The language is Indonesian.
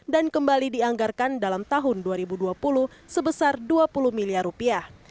dan kembali dianggarkan dalam tahun dua ribu dua puluh sebesar dua puluh miliar rupiah